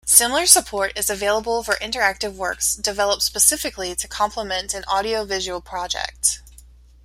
Similar support is available for interactive works developed specifically to complement an audiovisual project.